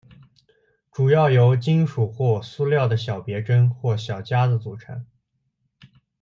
主要由金属或塑料的小别针或小夹子组成。